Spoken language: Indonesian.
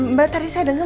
mbak tadi saya denger